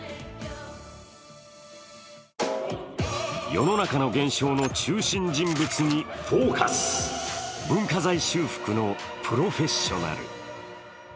世の中の現象の中心物に「ＦＯＣＵＳ」文化財修復のプロフェッショナル。